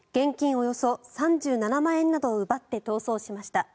およそ３７万円などを奪って逃走しました。